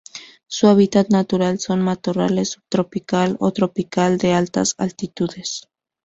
Su hábitat natural son matorrales subtropical o tropical, de altas altitudes.